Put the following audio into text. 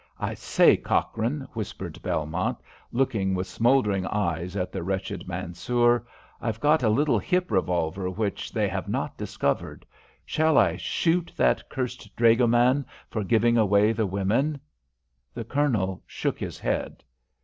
"I say, Cochrane," whispered Belmont, looking with smouldering eyes at the wretched Mansoor, "I've got a little hip revolver which they have not discovered. Shall I shoot that cursed dragoman for giving away the women?" The Colonel shook his head.